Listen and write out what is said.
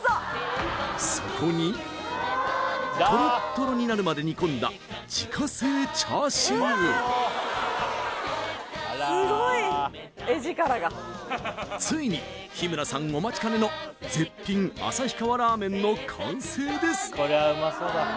そこにトロットロになるまで煮込んだついに日村さんお待ちかねの絶品旭川ラーメンの完成です